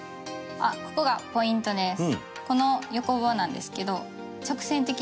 でここがポイントです。